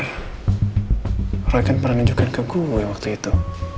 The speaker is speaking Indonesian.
hai rekan pernah nyanyikan ke gue waktu itu